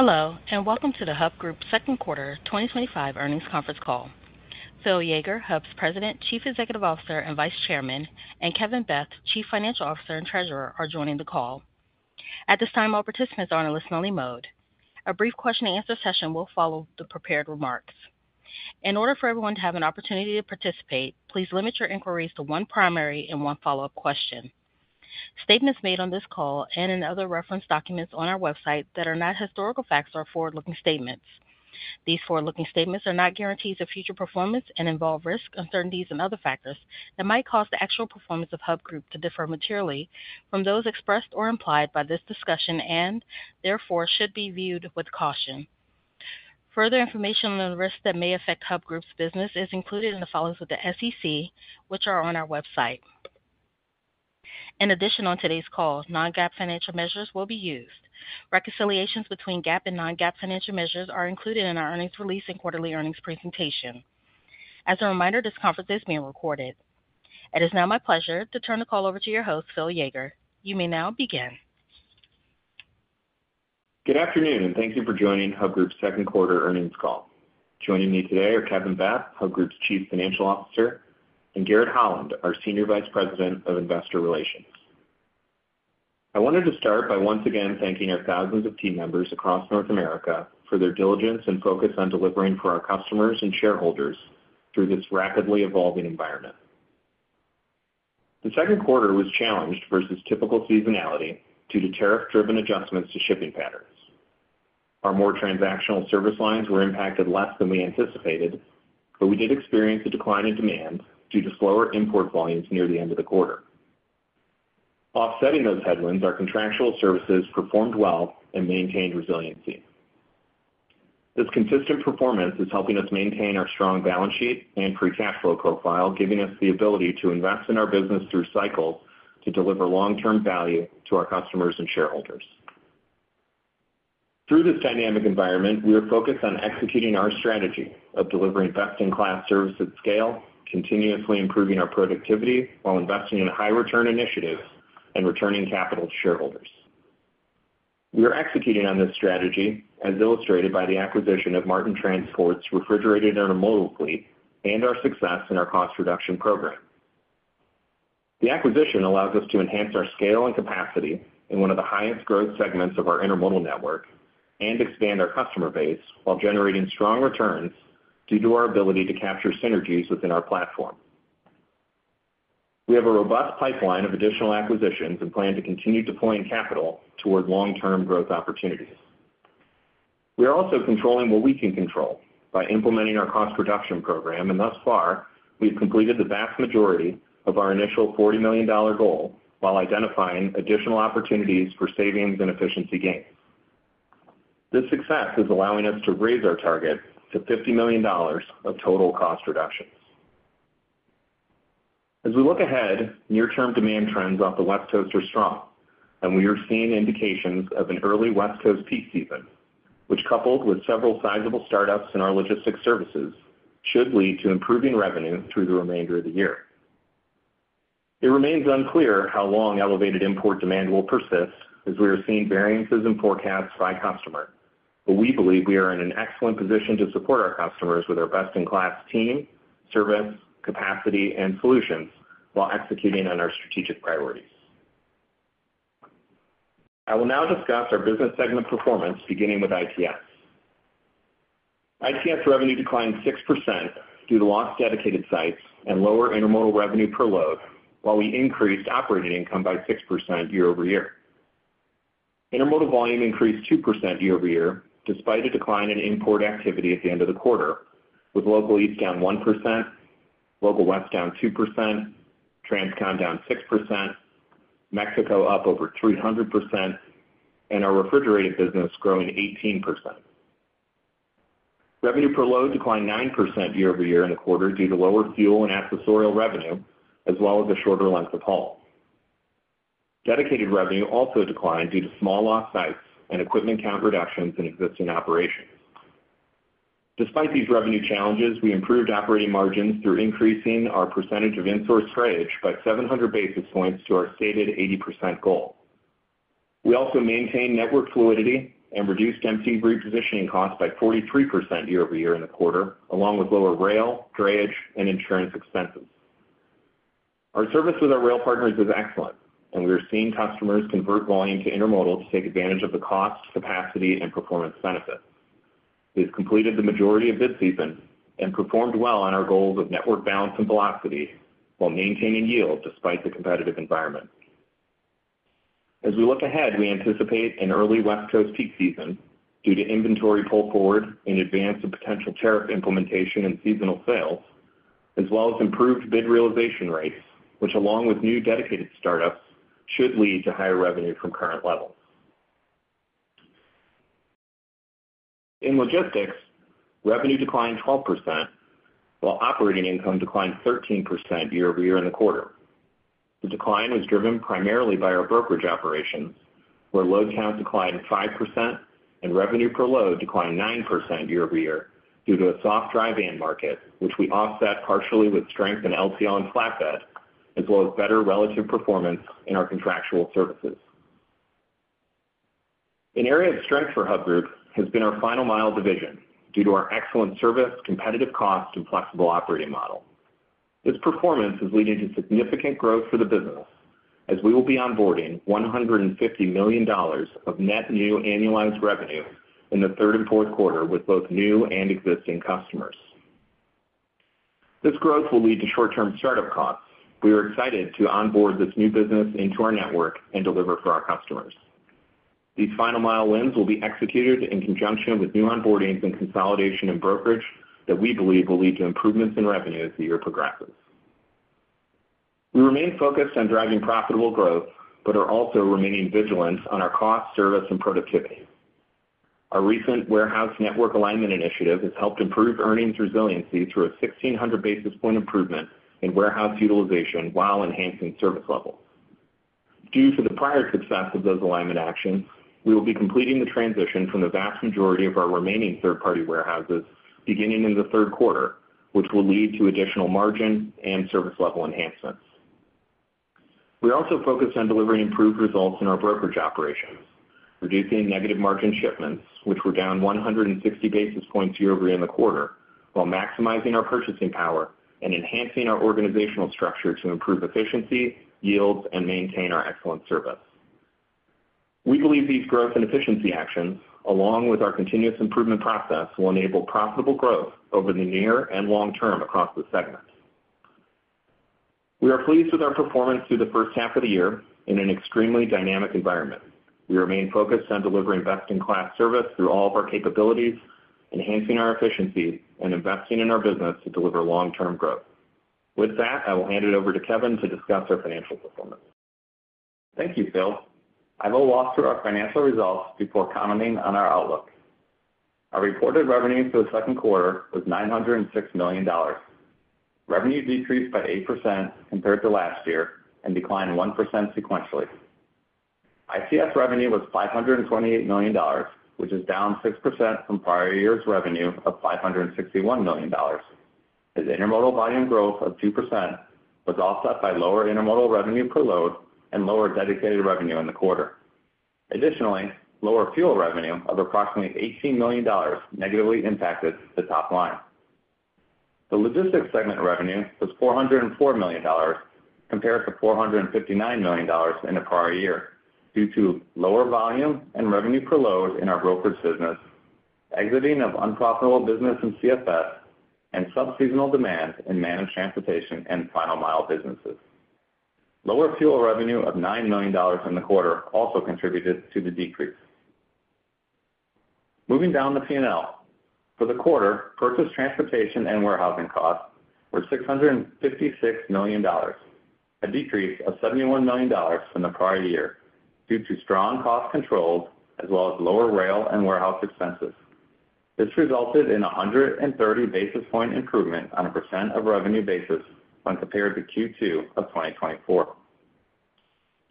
Hello, and welcome to the Hub Group second quarter 2025 earnings conference call. Phil Yeager, Hub Group's President, Chief Executive Officer and Vice Chairman, and Kevin Beth, Chief Financial Officer and Treasurer, are joining the call. At this time, all participants are in a listen-only mode. A brief question-and-answer session will follow the prepared remarks. In order for everyone to have an opportunity to participate, please limit your inquiries to one primary and one follow-up question. Statements made on this call and in other reference documents on our website that are not historical facts are forward-looking statements. These forward-looking statements are not guarantees of future performance and involve risk, uncertainties, and other factors that might cause the actual performance of Hub Group to differ materially from those expressed or implied by this discussion and, therefore, should be viewed with caution. Further information on the risks that may affect Hub Group's business is included in the filings with the SEC, which are on our website. In addition, on today's call, non-GAAP financial measures will be used. Reconciliations between GAAP and non-GAAP financial measures are included in our earnings release and quarterly earnings presentation. As a reminder, this conference is being recorded. It is now my pleasure to turn the call over to your host, Phil Yeager. You may now begin. Good afternoon, and thank you for joining Hub Group's second quarter earnings call. Joining me today are Kevin Beth, Hub Group's Chief Financial Officer, and Garrett Holland, our Senior Vice President of Investor Relations. I wanted to start by once again thanking our thousands of team members across North America for their diligence and focus on delivering for our customers and shareholders through this rapidly evolving environment. The second quarter was challenged versus typical seasonality due to tariff-driven adjustments to shipping patterns. Our more transactional service lines were impacted less than we anticipated, but we did experience a decline in demand due to slower import volumes near the end of the quarter. Offsetting those headwinds, our contractual service lines performed well and maintained resiliency. This consistent performance is helping us maintain our strong balance sheet and free cash flow profile, giving us the ability to invest in our business through cycles to deliver long-term value to our customers and shareholders. Through this dynamic environment, we are focused on executing our strategy of delivering best-in-class service at scale, continuously improving our productivity while investing in high-return initiatives and returning capital to shareholders. We are executing on this strategy as illustrated by the acquisition of Martin Transport's refrigerated intermodal fleet and our success in our cost reduction program. The acquisition allows us to enhance our scale and capacity in one of the highest growth segments of our intermodal network and expand our customer base while generating strong returns due to our ability to capture synergies within our platform. We have a robust pipeline of additional acquisitions and plan to continue deploying capital toward long-term growth opportunities. We are also controlling what we can control by implementing our cost reduction program, and thus far, we have completed the vast majority of our initial $40 million goal while identifying additional opportunities for savings and efficiency gains. This success is allowing us to raise our target to $50 million of total cost reductions. As we look ahead, near-term demand trends off the West Coast are strong, and we are seeing indications of an early West Coast peak season, which, coupled with several sizable startups in our logistics services, should lead to improving revenue through the remainder of the year. It remains unclear how long elevated import demand will persist, as we are seeing variances in forecasts by customer, but we believe we are in an excellent position to support our customers with our best-in-class team, service, capacity, and solutions while executing on our strategic priorities. I will now discuss our business segment performance, beginning with ITS revenue decline 6% due to lost dedicated sites and lower intermodal revenue per load, while we increased operating income by 6% year-over-year. Intermodal volume increased 2% year-over-year despite a decline in import activity at the end of the quarter, with local east down 1%, local west down 2%, transcontinental down 6%, Mexico up over 300%, and our refrigerated business growing 18%. Revenue per load declined 9% year-over-year in the quarter due to lower fuel and accessorial revenue, as well as a shorter length of haul. Dedicated revenue also declined due to small lost sites and equipment count reductions in existing operations. Despite these revenue challenges, we improved operating margins through increasing our percentage of in-source drayage by 700 basis points to our stated 80% goal. We also maintained network fluidity and reduced empty repositioning costs by 43% year-over-year in the quarter, along with lower rail, drayage, and insurance expenses. Our service with our rail partners is excellent, and we are seeing customers convert volume to intermodal to take advantage of the cost, capacity, and performance benefits. ITS completed the majority of bid season and performed well on our goals of network balance and velocity while maintaining yield despite the competitive environment. As we look ahead, we anticipate an early West Coast peak season due to inventory pull forward in advance of potential tariff implementation and seasonal sales, as well as improved bid realization rates, which, along with new dedicated startups, should lead to higher revenue from current levels. In logistics, revenue declined 12% while operating income declined 13% year-over-year in the quarter. The decline was driven primarily by our brokerage operations, where load counts declined 5% and revenue per load declined 9% year-over-year due to a soft dry van market, which we offset partially with strength in LTL and flatbed, as well as better relative performance in our contractual services. An area of strength for Hub Group has been our final mile division due to our excellent service, competitive cost, and flexible operating model. This performance is leading to significant growth for the business, as we will be onboarding $150 million of net new annualized revenue in the third and fourth quarter with both new and existing customers. This growth will lead to short-term startup costs. We are excited to onboard this new business into our network and deliver for our customers. These final mile wins will be executed in conjunction with new onboardings and consolidation in brokerage that we believe will lead to improvements in revenue as the year progresses. We remain focused on driving profitable growth but are also remaining vigilant on our cost, service, and productivity. Our recent warehouse network alignment initiative has helped improve earnings resiliency through a 1,600 basis point improvement in warehouse utilization while enhancing service levels. Due to the prior success of those alignment actions, we will be completing the transition from the vast majority of our remaining third-party warehouses beginning in the third quarter, which will lead to additional margin and service level enhancements. We are also focused on delivering improved results in our brokerage operations, reducing negative margin shipments, which were down 160 basis points year-over-year in the quarter, while maximizing our purchasing power and enhancing our organizational structure to improve efficiency, yield, and maintain our excellent service. We believe these growth and efficiency actions, along with our continuous improvement process, will enable profitable growth over the near and long term across the segments. We are pleased with our performance through the first half of the year in an extremely dynamic environment. We remain focused on delivering best-in-class service through all of our capabilities, enhancing our efficiency, and investing in our business to deliver long-term growth. With that, I will hand it over to Kevin to discuss our financial performance. Thank you, Phil. I will walk through our financial results before commenting on our outlook. Our reported revenue for the second quarter was $906 million. Revenue decreased by 8% compared to last year and declined 1% sequentially. ICS revenue was $528 million, which is down 6% from prior year's revenue of $561 million. The intermodal volume growth of 2% was offset by lower intermodal revenue per load and lower dedicated revenue in the quarter. Additionally, lower fuel revenue of approximately $18 million negatively impacted the top line. The logistics segment revenue was $404 million compared to $459 million in the prior year due to lower volume and revenue per load in our brokerage business, exiting of unprofitable business in CFS, and subseasonal demand in managed transportation and final mile businesses. Lower fuel revenue of $9 million in the quarter also contributed to the decrease. Moving down the P&L for the quarter, purchase transportation and warehousing costs were $656 million, a decrease of $71 million from the prior year due to strong cost controls, as well as lower rail and warehouse expenses. This resulted in a 130 basis point improvement on a percent of revenue basis when compared to Q2 of 2024.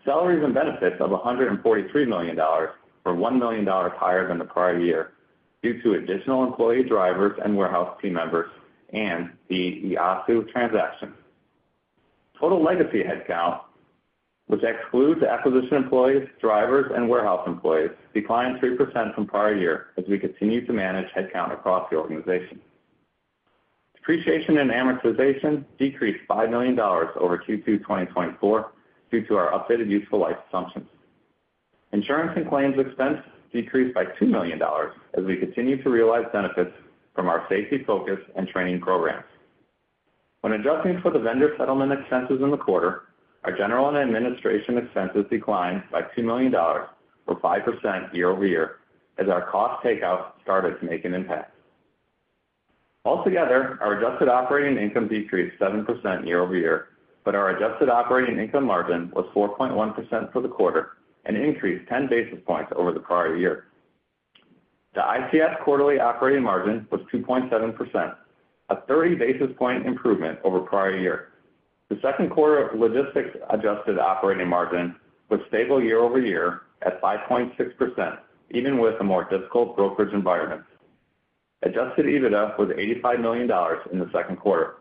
Salaries and benefits of $143 million were $1 million higher than the prior year due to additional employee drivers and warehouse team members and the YASU transaction. Total legacy headcount, which excludes acquisition employees, drivers, and warehouse employees, declined 3% from prior year as we continue to manage headcount across the organization. Depreciation and amortization decreased $5 million over Q2 2024 due to our updated useful life assumptions. Insurance and claims expense decreased by $2 million as we continue to realize benefits from our safety focus and training programs. When adjusting for the vendor settlement expenses in the quarter, our general and administration expenses declined by $2 million or 5% year-over-year as our cost takeout started to make an impact. Altogether, our adjusted operating income decreased 7% year-over-year, but our adjusted operating income margin was 4.1% for the quarter and increased 10 basis points over the prior year. The ICS quarterly operating margin was 2.7%, a 30 basis point improvement over prior year. The second quarter of logistics adjusted operating margin was stable year-over-year at 5.6%, even with a more difficult brokerage environment. Adjusted EBITDA was $85 million in the second quarter.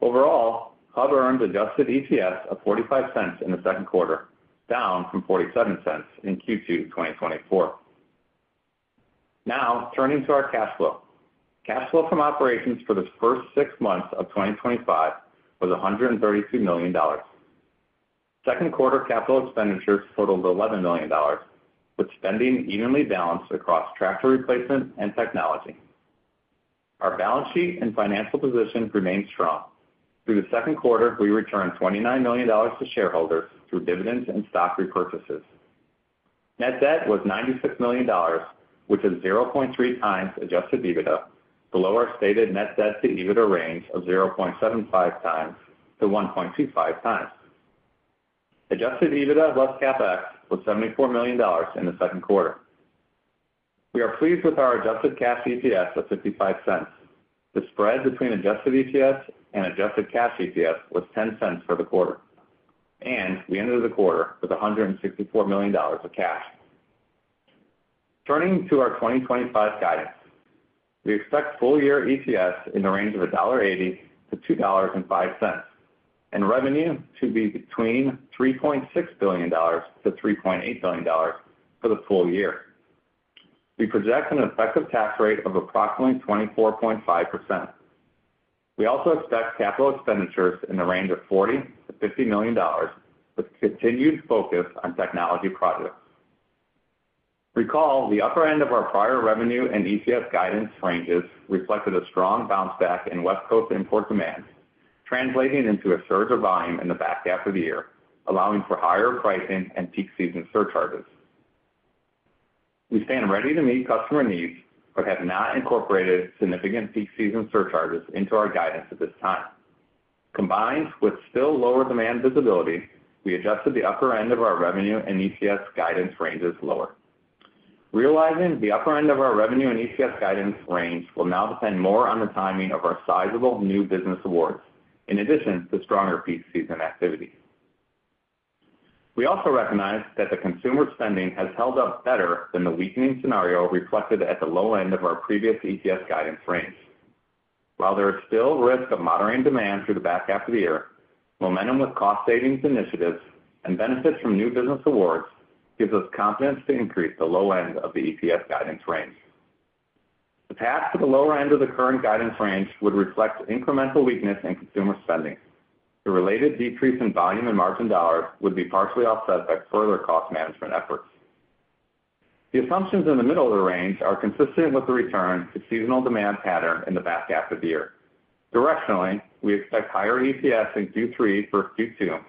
Overall, Hub earned adjusted EPS of $0.45 in the second quarter, down from $0.47 in Q2 2024. Now turning to our cash flow, cash flow from operations for the first six months of 2025 was $132 million. Second quarter capital expenditures totaled $11 million, with spending evenly balanced across tractor replacement and technology. Our balance sheet and financial position remained strong. Through the second quarter, we returned $29 million to shareholders through dividends and stock repurchases. Net debt was $96 million, which is 0.3x adjusted EBITDA, below our stated net debt to EBITDA range of 0.75x to 1.25x. Adjusted EBITDA less CapEx was $74 million in the second quarter. We are pleased with our adjusted cash EPS of $0.55. The spread between adjusted EPS and adjusted cash EPS was $0.10 for the quarter, and we ended the quarter with $164 million of cash. Turning to our 2025 guidance, we expect full-year EPS in the range of $1.80-$2.05, and revenue to be between $3.6 billion-$3.8 billion for the full year. We project an effective tax rate of approximately 24.5%. We also expect capital expenditures in the range of $40 million-$50 million with continued focus on technology projects. Recall, the upper end of our prior revenue and EPS guidance ranges reflected a strong bounce back in West Coast import demand, translating into a surge of volume in the back half of the year, allowing for higher pricing and peak season surcharges. We stand ready to meet customer needs but have not incorporated significant peak season surcharges into our guidance at this time. Combined with still lower demand visibility, we adjusted the upper end of our revenue and EPS guidance ranges lower. Realizing the upper end of our revenue and EPS guidance range will now depend more on the timing of our sizable new business awards in addition to stronger peak season activities. We also recognize that the consumer spending has held up better than the weakening scenario reflected at the low end of our previous EPS guidance range. While there is still risk of moderating demand through the back half of the year, momentum with cost savings initiatives and benefits from new business awards gives us confidence to increase the low end of the EPS guidance range. The path to the lower end of the current guidance range would reflect incremental weakness in consumer spending. The related decrease in volume and margin dollars would be partially offset by further cost management efforts. The assumptions in the middle of the range are consistent with the return to seasonal demand pattern in the back half of the year. Directionally, we expect higher EPS in Q3 over Q2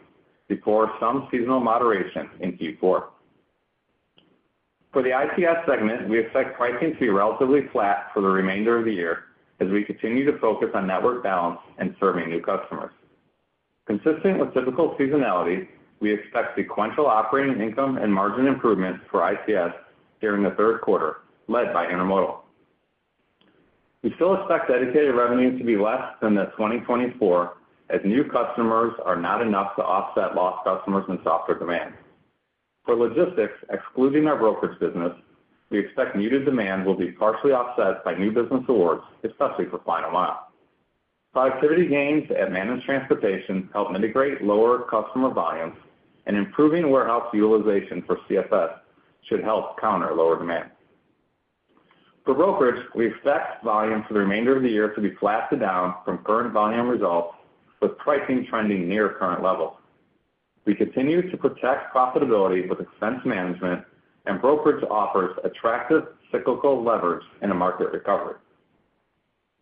before some seasonal moderation in Q4. For the ICS segment, we expect pricing to be relatively flat for the remainder of the year as we continue to focus on network balance and serving new customers. Consistent with typical seasonality, we expect sequential operating income and margin improvements for ICS during the third quarter led by intermodal. We still expect dedicated revenue to be less than 2024 as new customers are not enough to offset lost customers and softer demand. For logistics, excluding our brokerage business, we expect new demand will be partially offset by new business awards, especially for final mile. Productivity gains at managed transportation help mitigate lower customer volumes, and improving warehouse utilization for CFS should help counter lower demand. For brokerage, we expect volume for the remainder of the year to be flat to down from current volume results, with pricing trending near current levels. We continue to protect profitability with expense management, and brokerage offers attractive cyclical leverage in a market recovery.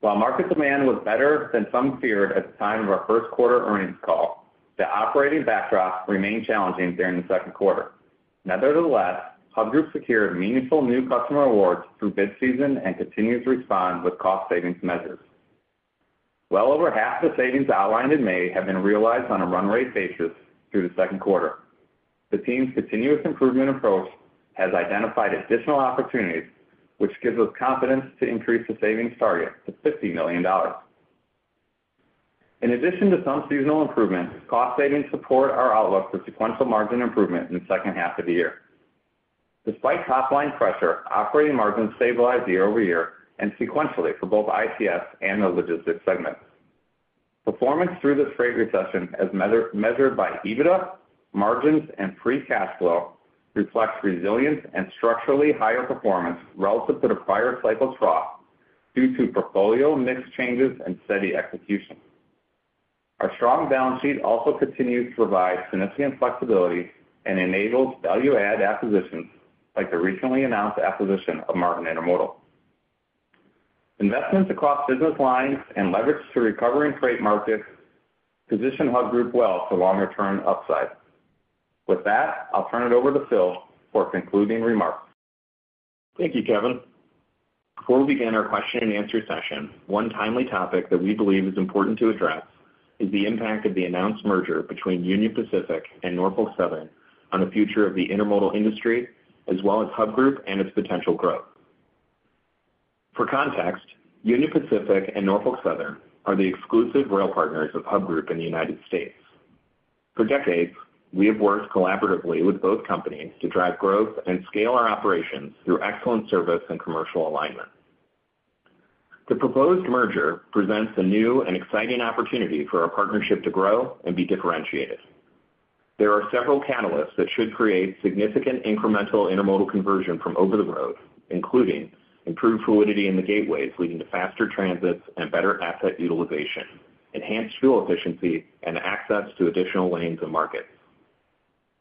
While market demand was better than some feared at the time of our first quarter earnings call, the operating backdrop remained challenging during the second quarter. Nevertheless, Hub Group secured meaningful new customer awards through bid season and continues to respond with cost savings measures. Well over half of the savings outlined in May have been realized on a run rate basis through the second quarter. The team's continuous improvement approach has identified additional opportunities, which gives us confidence to increase the savings target to $50 million. In addition to some seasonal improvements, cost savings support our outlook for sequential margin improvement in the second half of the year. Despite top line pressure, operating margins stabilized year-over-year and sequentially for both ICS and the logistics segments. Performance through this rate recession, as measured by EBITDA, margins, and free cash flow, reflects resilience and structurally higher performance relative to the prior cycle trough due to portfolio mix changes and steady execution. Our strong balance sheet also continues to provide significant flexibility and enables value-add acquisitions like the recently announced acquisition of Martin Transport's refrigerated intermodal fleet. Investments across business lines and leverage to recover in freight markets position Hub Group well for longer-term upside. With that, I'll turn it over to Phil for concluding remarks. Thank you, Kevin. Before we begin our question and answer session, one timely topic that we believe is important to address is the impact of the announced merger between Union Pacific and Norfolk Southern on the future of the intermodal industry, as well as Hub Group and its potential growth. For context, Union Pacific and Norfolk Southern are the exclusive rail partners of Hub Group in the United States. For decades, we have worked collaboratively with both companies to drive growth and scale our operations through excellent service and commercial alignment. The proposed merger presents a new and exciting opportunity for our partnership to grow and be differentiated. There are several catalysts that should create significant incremental intermodal conversion from over-the-road, including improved fluidity in the gateways leading to faster transits and better asset utilization, enhanced fuel efficiency, and access to additional lanes and markets.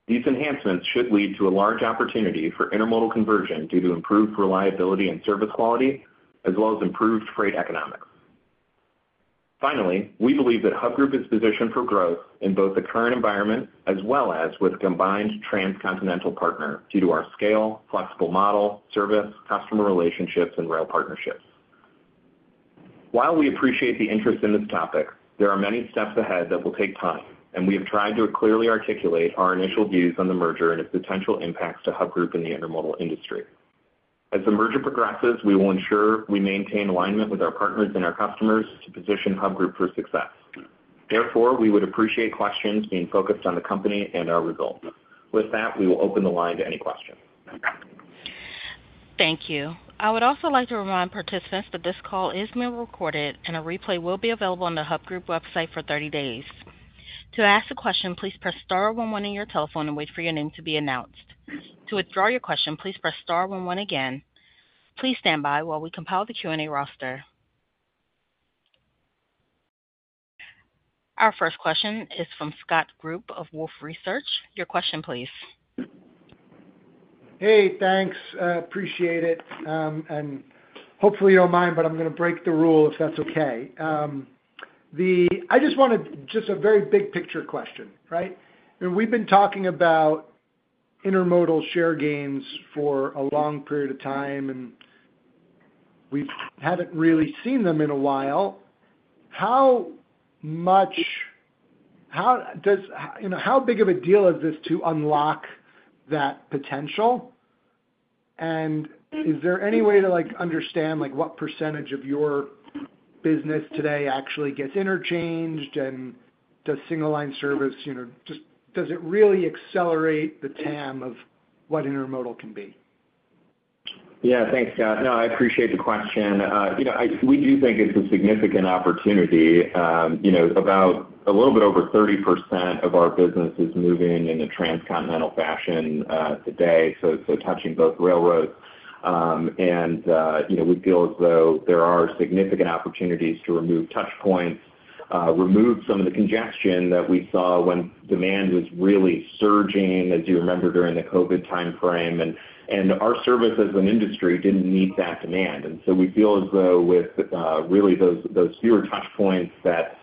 These enhancements should lead to a large opportunity for intermodal conversion due to improved reliability and service quality, as well as improved freight economics. Finally, we believe that Hub Group is positioned for growth in both the current environment as well as with a combined transcontinental partner due to our scale, flexible model, service, customer relationships, and rail partnerships. While we appreciate the interest in this topic, there are many steps ahead that will take time, and we have tried to clearly articulate our initial views on the merger and its potential impacts to Hub Group in the intermodal industry. As the merger progresses, we will ensure we maintain alignment with our partners and our customers to position Hub Group for success. Therefore, we would appreciate questions being focused on the company and our results. With that, we will open the line to any questions. Thank you. I would also like to remind participants that this call is being recorded, and a replay will be available on the Hub Group website for 30 days. To ask a question, please press star one-one on your telephone and wait for your name to be announced. To withdraw your question, please press star one-one again. Please stand by while we compile the Q&A roster. Our first question is from Scott Group of Wolfe Research. Your question, please. Hey, thanks. Appreciate it. Hopefully, you don't mind, but I'm going to break the rule if that's okay. I just wanted a very big picture question, right? I mean, we've been talking about intermodal share gains for a long period of time, and we haven't really seen them in a while. How much, you know, how big of a deal is this to unlock that potential? Is there any way to understand what percentage of your business today actually gets interchanged and does single line service? Does it really accelerate the TAM of what intermodal can be? Yeah, thanks, Scott. No, I appreciate the question. We do think it's a significant opportunity. About a little bit over 30% of our business is moving in a transcontinental fashion today, so touching both railroads. We feel as though there are significant opportunities to remove touch points, remove some of the congestion that we saw when demand was really surging, as you remember, during the COVID timeframe. Our service as an industry didn't meet that demand. We feel as though with really those fewer touch points, that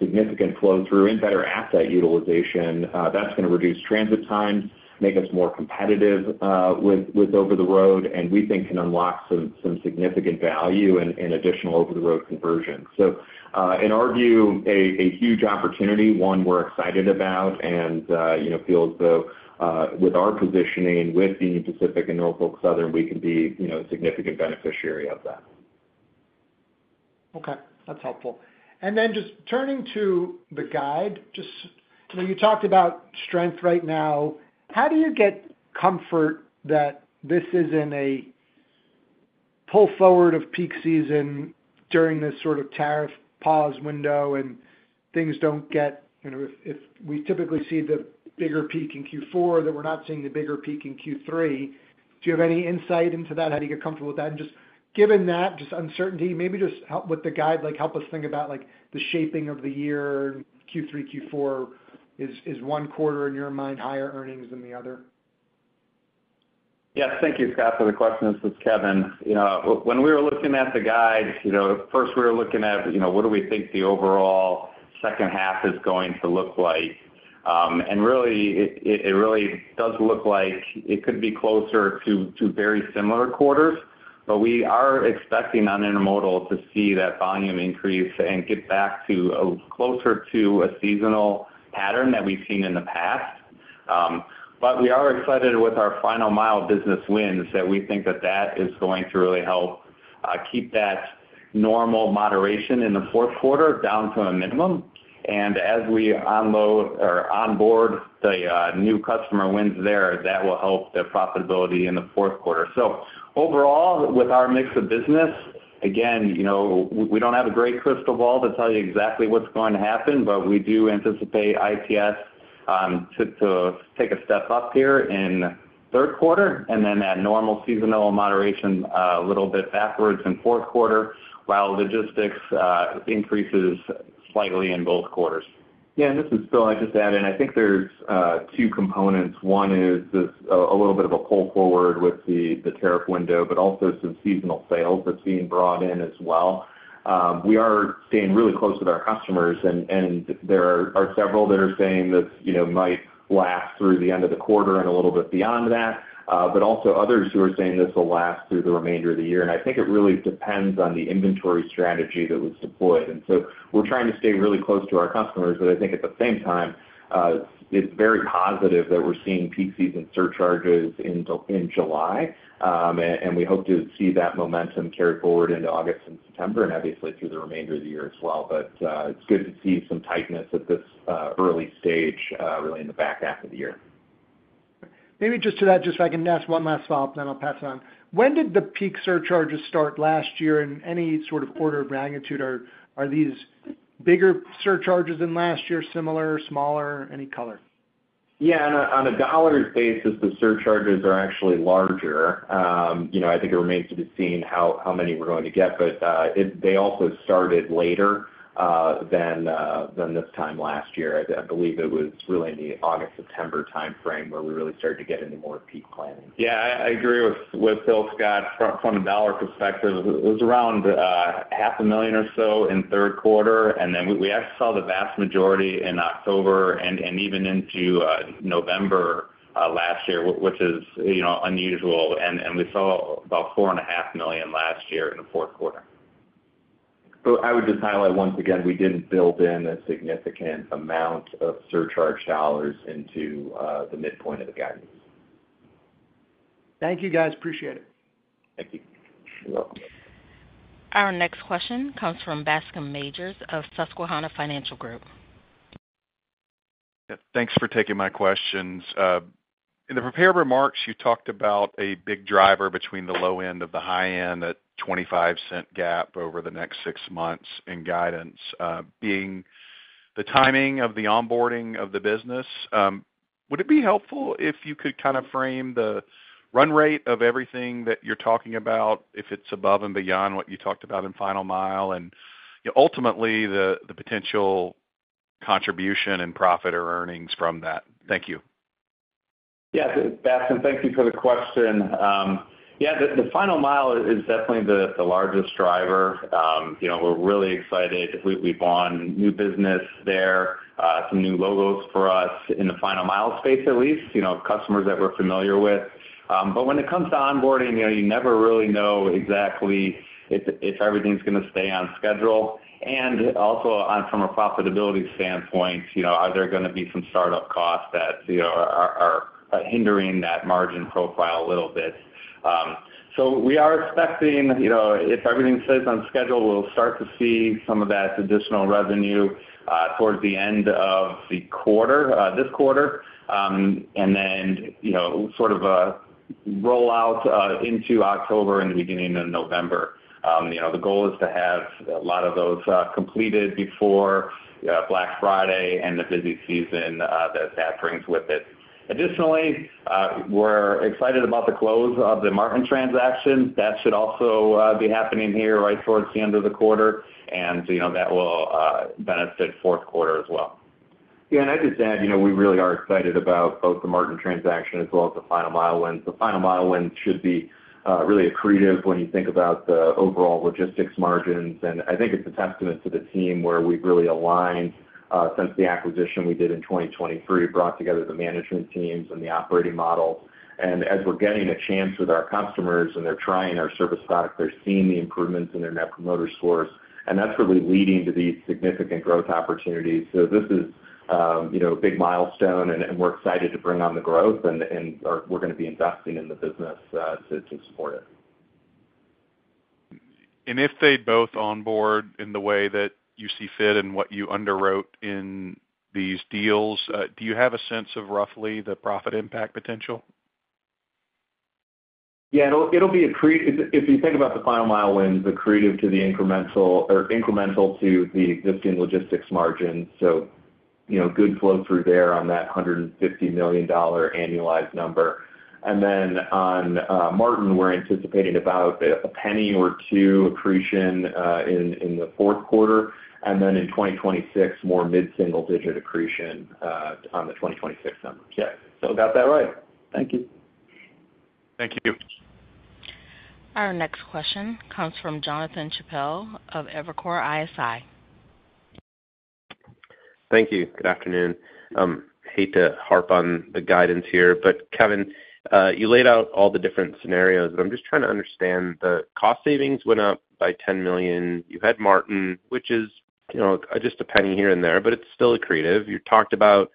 significant flow through and better asset utilization, that's going to reduce transit times, make us more competitive with over-the-road, and we think can unlock some significant value in additional over-the-road conversion. In our view, a huge opportunity, one we're excited about, and we feel as though with our positioning with Union Pacific and Norfolk Southern, we can be a significant beneficiary of that. Okay, that's helpful. Just turning to the guide, you talked about strength right now. How do you get comfort that this isn't a pull forward of peak season during this sort of tariff pause window and things don't get, you know, if we typically see the bigger peak in Q4 that we're not seeing the bigger peak in Q3? Do you have any insight into that? How do you get comfortable with that? Just given that uncertainty, maybe just help with the guide, like help us think about the shaping of the year. In Q3, Q4, is one quarter in your mind higher earnings than the other? Yeah, thank you, Scott, for the question. This is Kevin. When we were looking at the guide, first we were looking at what do we think the overall second half is going to look like? It really does look like it could be closer to two very similar quarters, but we are expecting on intermodal to see that volume increase and get back to a closer to a seasonal pattern that we've seen in the past. We are excited with our final mile business wins that we think that is going to really help keep that normal moderation in the fourth quarter down to a minimum. As we onboard the new customer wins there, that will help the profitability in the fourth quarter. Overall, with our mix of business, again, we don't have a great crystal ball to tell you exactly what's going to happen, but we do anticipate ICS to take a step up here in the third quarter and then that normal seasonal moderation a little bit backwards in the fourth quarter while logistics increases slightly in both quarters. Yeah. This is Phil, I just added, I think there's two components. One is a little bit of a pull forward with the tariff window, but also some seasonal sales that's being brought in as well. We are staying really close with our customers, and there are several that are saying this might last through the end of the quarter and a little bit beyond that, but also others who are saying this will last through the remainder of the year. I think it really depends on the inventory strategy that was deployed. We are trying to stay really close to our customers, but I think at the same time, it's very positive that we're seeing peak season surcharges in July, and we hope to see that momentum carry forward into August and September and obviously through the remainder of the year as well. It's good to see some tightness at this early stage, really in the back half of the year. Maybe just to that, if I can ask one last thought, then I'll pass it on. When did the peak surcharges start last year in any sort of order of magnitude? Are these bigger surcharges than last year, similar, smaller, any color? Yeah, and on a dollar basis, the surcharges are actually larger. I think it remains to be seen how many we're going to get, but they also started later than this time last year. I believe it was really in the August-September timeframe where we really started to get into more peak planning. I agree with Phil, Scott, from a dollar perspective, it was around $0.5 million or so in the third quarter, and we actually saw the vast majority in October and even into November last year, which is unusual. We saw about $4.5 million last year in the fourth quarter. I would just highlight once again, we didn't build in a significant amount of surcharge dollars into the midpoint of the guidance. Thank you, guys. Appreciate it. Thank you. You're welcome. Our next question comes from Bascome Majors of Susquehanna Financial Group. Yep, thanks for taking my questions. In the prepared remarks, you talked about a big driver between the low end and the high end, a $0.25 gap over the next six months in guidance being the timing of the onboarding of the business. Would it be helpful if you could kind of frame the run rate of everything that you're talking about if it's above and beyond what you talked about in final mile and, you know, ultimately the potential contribution and profit or earnings from that? Thank you. Yeah, Bascome, thank you for the question. Yeah, the final mile is definitely the largest driver. You know, we're really excited. We've won new business there, some new logos for us in the final mile space, at least, you know, customers that we're familiar with. When it comes to onboarding, you never really know exactly if everything's going to stay on schedule. Also, from a profitability standpoint, are there going to be some startup costs that are hindering that margin profile a little bit? We are expecting, if everything stays on schedule, we'll start to see some of that additional revenue towards the end of the quarter, this quarter, and then sort of a rollout into October and the beginning of November. The goal is to have a lot of those completed before Black Friday and the busy season that that brings with it. Additionally, we're excited about the close of the Martin transaction. That should also be happening here right towards the end of the quarter, and that will benefit the fourth quarter as well. I just add, we really are excited about both the Martin transaction as well as the final mile wins. The final mile wins should be really accretive when you think about the overall logistics margins, and I think it's a testament to the team where we've really aligned since the acquisition we did in 2023, brought together the management teams and the operating model. As we're getting a chance with our customers and they're trying our service product, they're seeing the improvements in their net promoter scores, and that's really leading to these significant growth opportunities. This is a big milestone, and we're excited to bring on the growth, and we're going to be investing in the business to support it. If they both onboard in the way that you see fit and what you underwrote in these deals, do you have a sense of roughly the profit impact potential? Yeah, it'll be accretive. If you think about the final mile wins, accretive to the incremental or incremental to the existing logistics margins. Good flow through there on that $150 million annualized number. On Martin, we're anticipating about a penny or two accretion in the fourth quarter, and in 2026, more mid-single-digit accretion on the 2026 numbers. Yeah, got that right. Thank you. Thank you. Our next question comes from Jonathan Chappell of Evercore ISI. Thank you. Good afternoon. I hate to harp on the guidance here, but Kevin, you laid out all the different scenarios, but I'm just trying to understand. The cost savings went up by $10 million. You had Martin, which is, you know, just a penny here and there, but it's still accretive. You talked about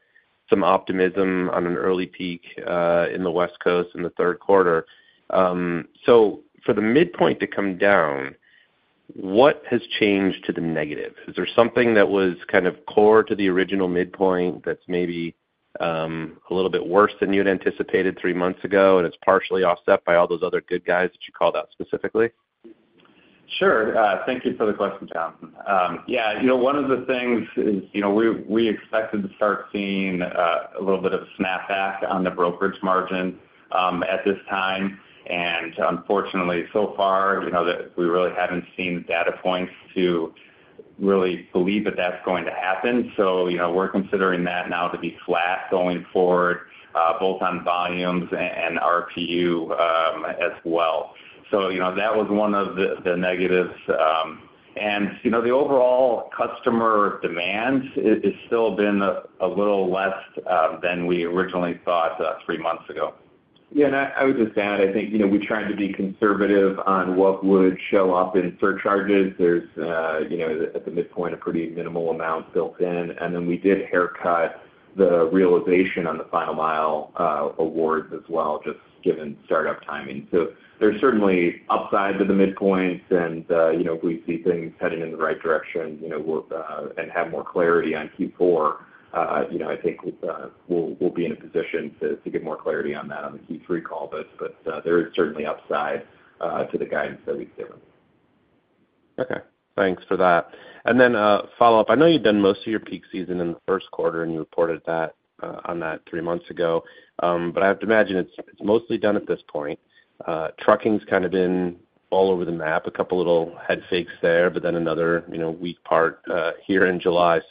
some optimism on an early peak in the West Coast in the third quarter. For the midpoint to come down, what has changed to the negative? Is there something that was kind of core to the original midpoint that's maybe a little bit worse than you had anticipated three months ago, and it's partially offset by all those other good guys that you called out specifically? Sure. Thank you for the question, Jonathan. One of the things is, we expected to start seeing a little bit of a snapback on the brokerage margin at this time. Unfortunately, so far, we really haven't seen the data points to really believe that that's going to happen. We're considering that now to be flat going forward, both on volumes and RPU as well. That was one of the negatives. The overall customer demand has still been a little less than we originally thought three months ago. I would just add, I think we tried to be conservative on what would show up in surcharges. There's, at the midpoint, a pretty minimal amount built in. We did haircut the realization on the final mile awards as well, just given startup timing. There's certainly upside to the midpoints. If we see things heading in the right direction and have more clarity on Q4, I think we'll be in a position to get more clarity on that on the Q3 call. There is certainly upside to the guidance that we've given. Okay, thanks for that. A follow-up. I know you've done most of your peak season in the first quarter, and you reported that on that three months ago, but I have to imagine it's mostly done at this point. Trucking's kind of been all over the map, a couple of little head fakes there, but then another weak part here in July.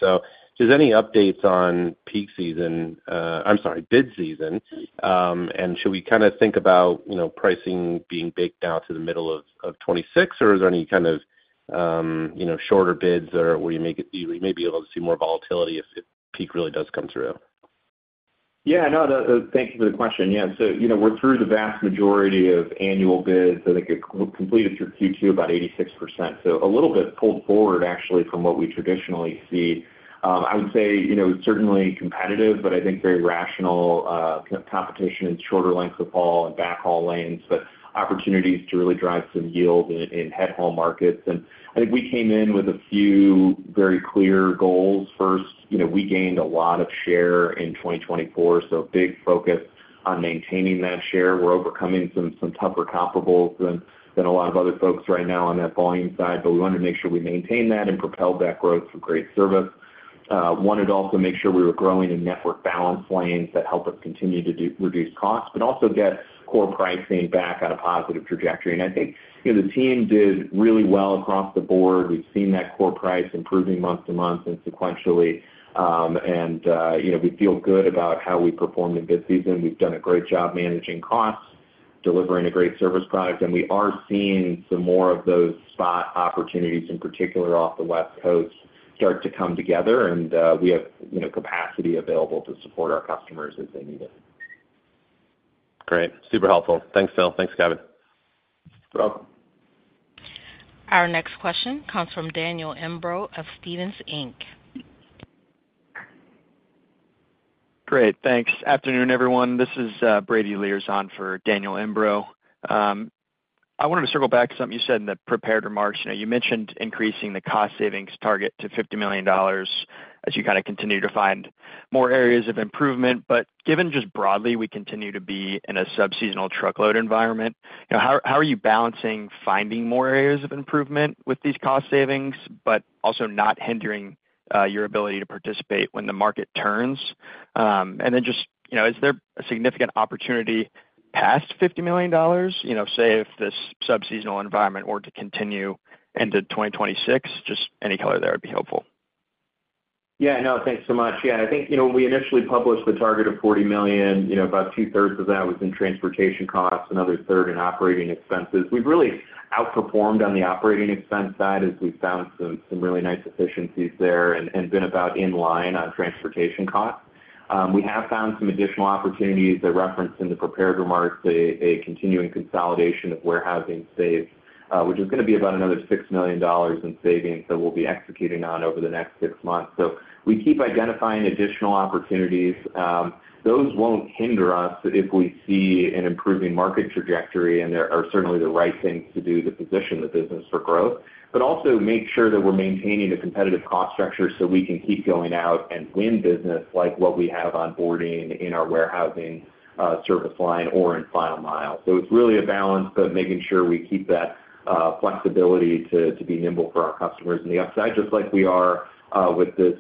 Does any update on peak season, I'm sorry, bid season? Should we kind of think about pricing being baked out to the middle of 2026, or is there any kind of shorter bids where you may be able to see more volatility if the peak really does come through? Thank you for the question. We're through the vast majority of annual bids. I think it completed through Q2 about 86%. A little bit pulled forward, actually, from what we traditionally see. I would say it's certainly competitive, but I think very rational competition in shorter lengths of haul and backhaul lanes, with opportunities to really drive some yield in headhaul markets. I think we came in with a few very clear goals. First, we gained a lot of share in 2024, so a big focus on maintaining that share. We're overcoming some tougher comparables than a lot of other folks right now on that volume side, but we wanted to make sure we maintain that and propelled that growth for great service. We wanted to also make sure we were growing in network balance lanes that help us continue to reduce costs, but also get core pricing back on a positive trajectory. I think the team did really well across the board. We've seen that core price improving month to month and sequentially. We feel good about how we performed in this season. We've done a great job managing costs, delivering a great service product, and we are seeing some more of those spot opportunities, in particular off the West Coast, start to come together. We have capacity available to support our customers as they need it. Great, super helpful. Thanks, Phil. Thanks, Kevin. You're welcome. Our next question comes from Daniel Imbro of Stephens Inc. Great, thanks. Afternoon, everyone. This is Brady Lierz on for Daniel Imbro. I wanted to circle back to something you said in the prepared remarks. You mentioned increasing the cost savings target to $50 million as you kind of continue to find more areas of improvement. Given just broadly, we continue to be in a subseasonal truckload environment, how are you balancing finding more areas of improvement with these cost savings, but also not hindering your ability to participate when the market turns? Is there a significant opportunity past $50 million, say if this subseasonal environment were to continue into 2026? Any color there would be helpful. Yeah, no, thanks so much. I think, you know, when we initially published the target of $40 million, about two-thirds of that was in transportation costs, another third in operating expenses. We've really outperformed on the operating expense side as we found some really nice efficiencies there and been about in line on transportation costs. We have found some additional opportunities that I referenced in the prepared remarks, a continuing consolidation of warehousing saves, which is going to be about another $6 million in savings that we'll be executing on over the next six months. We keep identifying additional opportunities. Those won't hinder us if we see an improving market trajectory, and they are certainly the right things to do to position the business for growth, but also make sure that we're maintaining a competitive cost structure so we can keep going out and win business like what we have onboarding in our warehousing service line or in final mile. It's really a balance, but making sure we keep that flexibility to be nimble for our customers in the upside, just like we are with this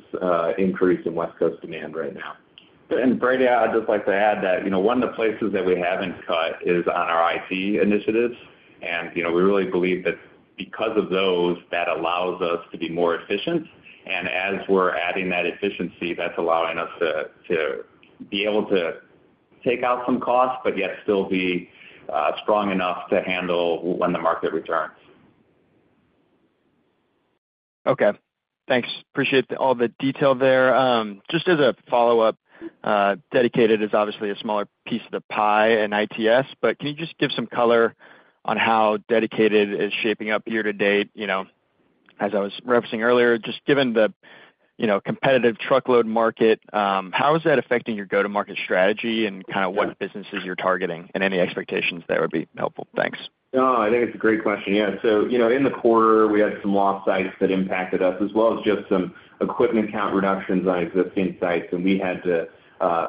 increase in West Coast demand right now. Brady, I'd just like to add that one of the places that we haven't cut is on our IT initiatives. We really believe that because of those, that allows us to be more efficient. As we're adding that efficiency, that's allowing us to be able to take out some costs, but yet still be strong enough to handle when the market returns. Okay, thanks. Appreciate all the detail there. Just as a follow-up, dedicated is obviously a smaller piece of the pie in ITS, but can you just give some color on how dedicated is shaping up year-to-date? As I was referencing earlier, just given the competitive truckload market, how is that affecting your go-to-market strategy and kind of what businesses you're targeting and any expectations there would be helpful. Thanks. No, I think it's a great question. In the quarter, we had some lost sites that impacted us, as well as just some equipment count reductions on existing sites. We had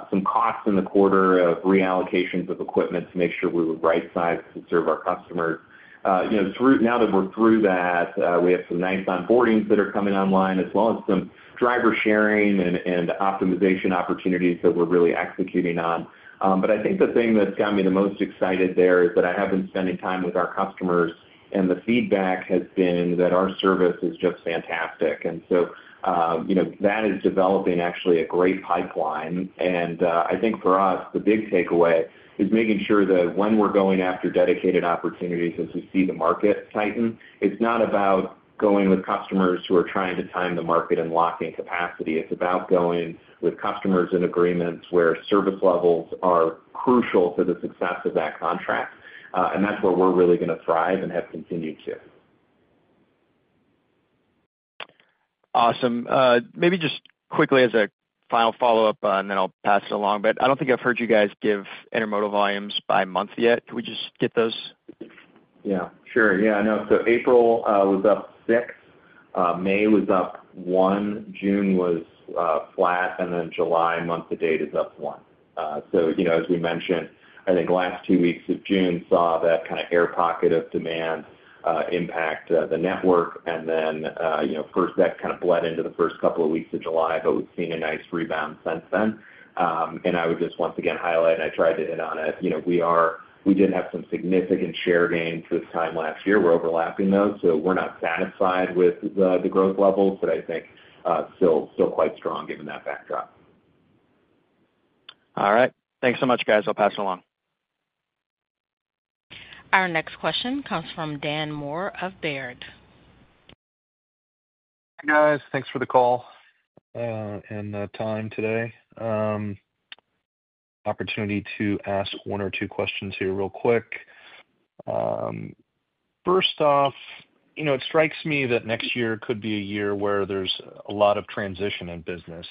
some costs in the quarter of reallocations of equipment to make sure we would right-size to serve our customers. Now that we're through that, we have some nice onboardings that are coming online, as well as some driver sharing and optimization opportunities that we're really executing on. I think the thing that's got me the most excited there is that I have been spending time with our customers, and the feedback has been that our service is just fantastic. That is developing actually a great pipeline. I think for us, the big takeaway is making sure that when we're going after dedicated opportunities as we see the market tighten, it's not about going with customers who are trying to time the market and lock in capacity. It's about going with customers in agreements where service levels are crucial for the success of that contract. That's where we're really going to thrive and have continued to. Awesome. Maybe just quickly as a final follow-up, and then I'll pass it along, but I don't think I've heard you guys give intermodal volumes by month yet. Can we just get those? Yeah, sure. I know. April was up 6%, May was up 1%, June was flat, and July, month to date, is up 1%. As we mentioned, I think the last two weeks of June saw that kind of air pocket of demand impact the network. That kind of bled into the first couple of weeks of July, but we've seen a nice rebound since then. I would just once again highlight, and I tried to hit on it, we did have some significant share gains this time last year. We're overlapping those, so we're not satisfied with the growth levels, but I think still quite strong given that backdrop. All right, thanks so much, guys. I'll pass it along. Our next question comes from Dan Moore of Baird. Hey, guys, thanks for the call and the time today. Opportunity to ask one or two questions here real quick. First off, it strikes me that next year could be a year where there's a lot of transition in business.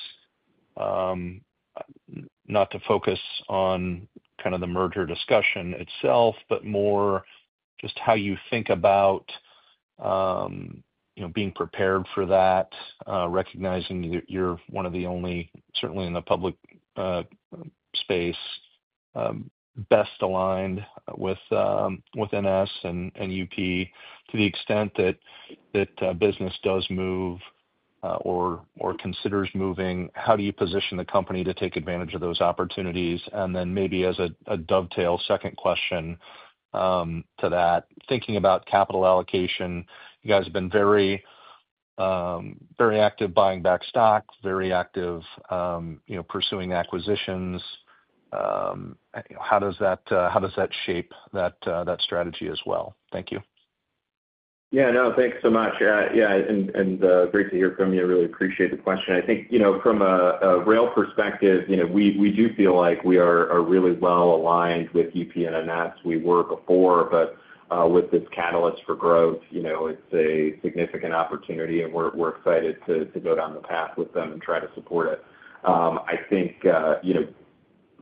Not to focus on kind of the merger discussion itself, but more just how you think about being prepared for that, recognizing that you're one of the only, certainly in the public space, best aligned with NS and UP to the extent that business does move or considers moving. How do you position the company to take advantage of those opportunities? Maybe as a dovetail second question to that, thinking about capital allocation, you guys have been very active buying back stock, very active pursuing acquisitions. How does that shape that strategy as well? Thank you. Yeah, no, thanks so much. Yeah, and great to hear from you. I really appreciate the question. I think, you know, from a rail perspective, we do feel like we are really well aligned with Union Pacific and Norfolk Southern. We were before. With this catalyst for growth, it's a significant opportunity, and we're excited to go down the path with them and try to support it. I think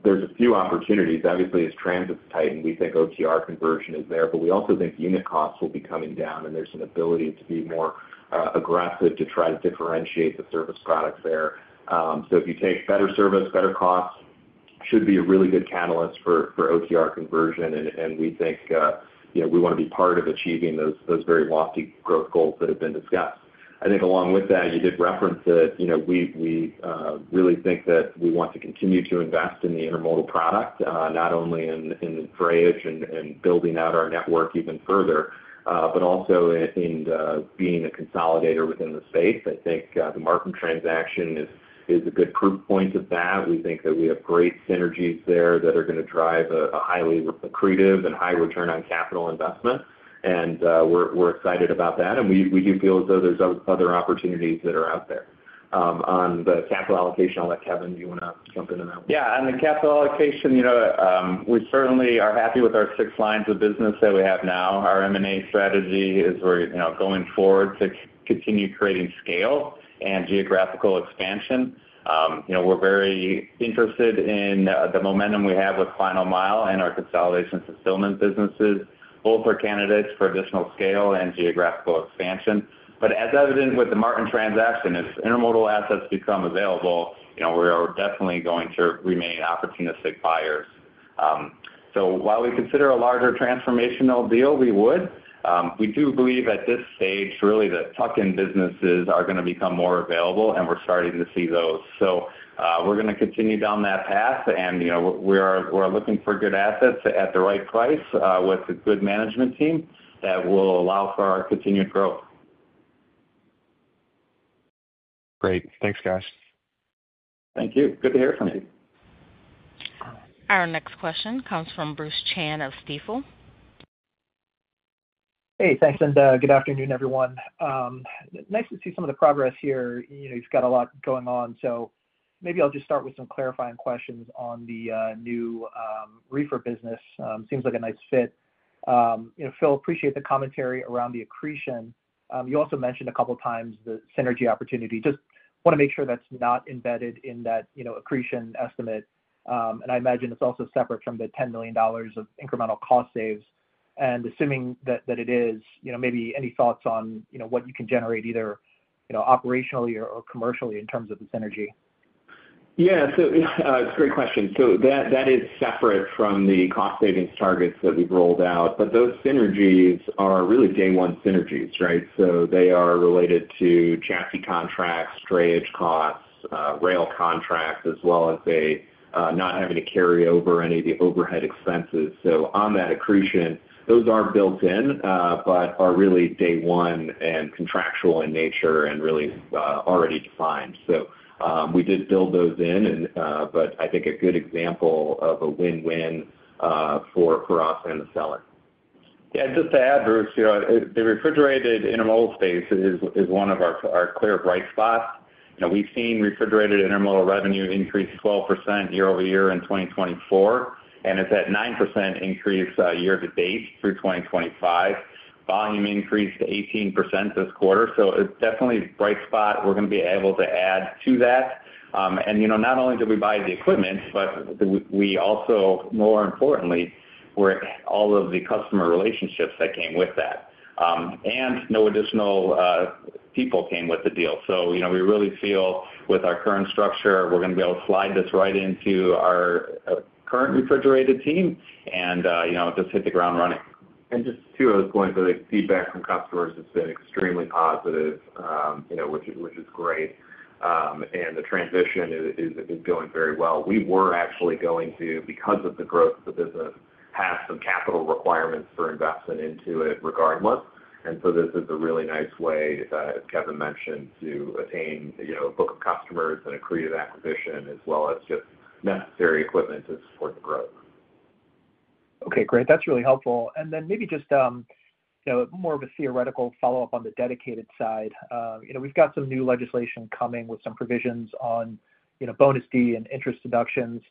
there are a few opportunities. Obviously, as transits tighten, we think over-the-road conversion is there, but we also think unit costs will be coming down, and there's an ability to be more aggressive to try to differentiate the service products there. If you take better service, better costs, it should be a really good catalyst for over-the-road conversion. We think we want to be part of achieving those very lofty growth goals that have been discussed. Along with that, you did reference that we really think that we want to continue to invest in the intermodal product, not only in the drayage and building out our network even further, but also in being a consolidator within the space. I think the Martin Transport transaction is a good proof point of that. We think that we have great synergies there that are going to drive a highly accretive and high return on capital investment. We're excited about that. We do feel as though there are other opportunities that are out there. On the capital allocation, I'll let Kevin, do you want to jump into that one. Yeah, on the capital allocation, we certainly are happy with our six lines of business that we have now. Our M&A strategy is going forward to continue creating scale and geographical expansion. We're very interested in the momentum we have with final mile and our consolidation fulfillment businesses. Both are candidates for additional scale and geographical expansion. As evident with the Martin Transport transaction, as intermodal assets become available, we are definitely going to remain opportunistic buyers. While we consider a larger transformational deal, we would. We do believe at this stage, really, the tuck-in businesses are going to become more available, and we're starting to see those. We're going to continue down that path. We're looking for good assets at the right price with a good management team that will allow for our continued growth. Great, thanks, guys. Thank you. Good to hear from you. Our next question comes from Bruce Chan of Stifel. Hey, thanks, and good afternoon, everyone. Nice to see some of the progress here. He's got a lot going on. Maybe I'll just start with some clarifying questions on the new reefer business. Seems like a nice fit. Phil, appreciate the commentary around the accretion. You also mentioned a couple of times the synergy opportunity. I just want to make sure that's not embedded in that accretion estimate. I imagine it's also separate from the $10 million of incremental cost saves. Assuming that it is, maybe any thoughts on what you can generate either operationally or commercially in terms of the synergy? Yeah, it's a great question. That is separate from the cost savings targets that we've rolled out. Those synergies are really day-one synergies, right? They are related to chassis contracts, drayage costs, rail contracts, as well as not having to carry over any of the overhead expenses. On that accretion, those are built in, but are really day one and contractual in nature and already defined. We did build those in. I think a good example of a win-win for us and the seller. Just to add, Bruce, the refrigerated intermodal space is one of our clear bright spots. We've seen refrigerated intermodal revenue increase 12% year-over-year in 2024, and it's at a 9% increase year-to-date through 2025. Volume increased 18% this quarter. It's definitely a bright spot we're going to be able to add to. Not only did we buy the equipment, but more importantly, we were able to acquire all of the customer relationships that came with that. No additional people came with the deal. We really feel with our current structure, we're going to be able to slide this right into our current refrigerated team and just hit the ground running. Feedback from customers has been extremely positive, which is great. The transition is going very well. We were actually going to, because of the growth of the business, have some capital requirements for investment into it regardless. This is a really nice way, as Kevin mentioned, to attain a book of customers and an accretive acquisition, as well as just necessary equipment to support the growth. Okay, great. That's really helpful. Maybe just, you know, more of a theoretical follow-up on the dedicated side. We've got some new legislation coming with some provisions on, you know, bonus D and interest deductions.